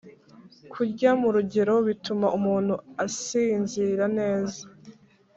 Kurya mu rugero, bituma umuntu asinzira neza,